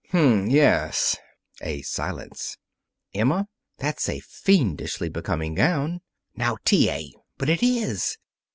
"H'm; yes." A silence. "Emma, that's a fiendishly becoming gown." "Now, T. A.!" "But it is!